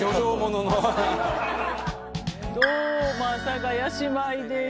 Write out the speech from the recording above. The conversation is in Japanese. どうも阿佐ヶ谷姉妹です。